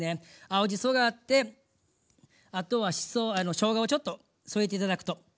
青じそがあってあとはしょうがをちょっと添えて頂くと。